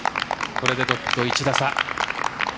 これでトップと１打差。